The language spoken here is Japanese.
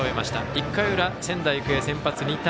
１回裏、仙台育英、先発、仁田。